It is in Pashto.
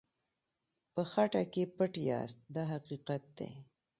په خټه کې پټ یاست دا حقیقت دی.